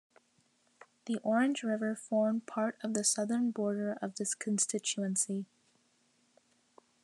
The Orange River formed part of the southern border of this constituency.